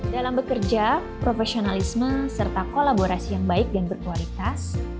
dalam bekerja profesionalisme serta kolaborasi yang baik dan berkualitas